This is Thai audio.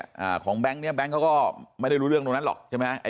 อ่าของแบงค์เนี้ยแก๊งเขาก็ไม่ได้รู้เรื่องตรงนั้นหรอกใช่ไหมไอ